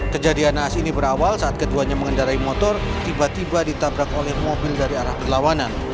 kejadian naas ini berawal saat keduanya mengendarai motor tiba tiba ditabrak oleh mobil dari arah berlawanan